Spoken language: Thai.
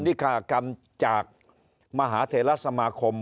นิคากรรมจากมหาเทราสมาคม